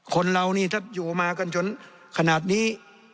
คนเรานี่ถ้าอยู่มากันจนขนาดนี้